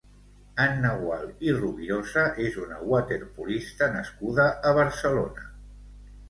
Anna Gual i Rovirosa és una waterpolista nascuda a Barcelona.